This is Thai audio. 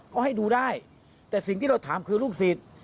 ก็ให้ดูได้แต่สิ่งที่เราถามคือลูกศิษย์